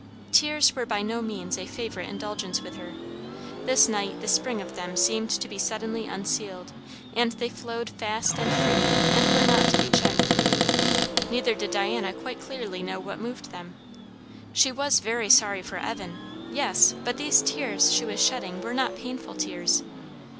Tears were by no means a favourite indulgence with her; this night the spring of them seemed to be suddenly unsealed, and they flowed fast and free, and were not to be checked. Neither did Diana quite clearly know what moved them. She was very sorry for Evan; yes, but these tears she was shedding were not painful tears.